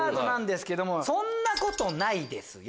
「そんなことないですよ」